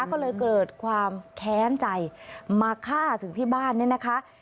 ก็เลยเกิดความแค้นใจมาฆ่าถึงที่บ้านเนี่ยนะคะ